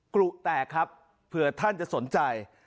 กรุแตกครับเผื่อท่านจะสนใจ